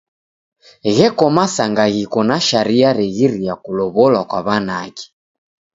Gheko masanga ghiko na sharia reghiria kulow'orwa kwa w'anake.